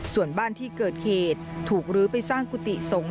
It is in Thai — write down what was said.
ส่วนบ้านที่เกิดเหตุถูกลื้อไปสร้างกุฏิสงฆ